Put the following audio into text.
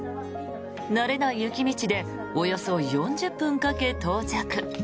慣れない雪道でおよそ４０分かけ、到着。